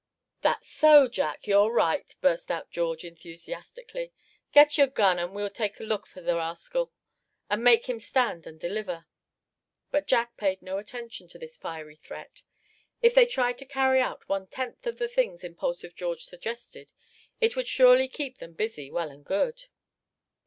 "That's so, Jack, you're right!" burst out George, enthusiastically. "Get your gun, and we'll take a look for the rascal, and make him stand and deliver." But Jack paid no attention to this fiery threat; if they tried to carry out one tenth of the things impulsive George suggested, it would surely keep them busy, well and good.